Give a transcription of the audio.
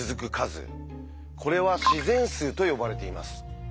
これは「自然数」と呼ばれています。